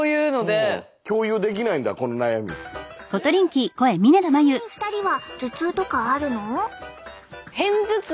ちなみに２人は頭痛とかあるの？